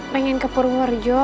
pengen ke purworejo